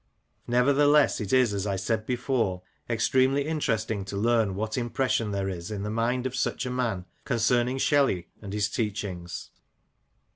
Nevertheless it is, as I said before, extremely interesting to learn what impression there is in the mind of such a man concerning Shelley and his teachings.